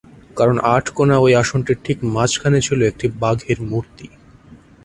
কারণ আট কোণা ঐ আসনটির ঠিক মাঝখানে ছিলো একটি বাঘের মূর্তি।